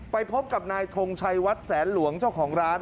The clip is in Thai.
ไปพบกับนายทงชัยวัดแสนหลวงเจ้าของร้าน